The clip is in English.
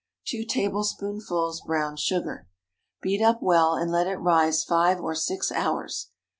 2 tablespoonfuls brown sugar. Beat up well and let it rise five or six hours.